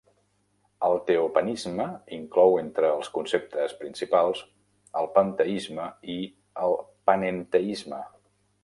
El teopanisme inclou entre els conceptes principals el panteisme i el panenteisme.